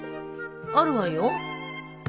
あるわよ。